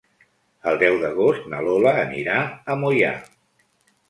El deu d'agost na Lola anirà a Moià.